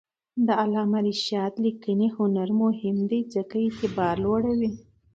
د علامه رشاد لیکنی هنر مهم دی ځکه چې اعتبار لوړوي.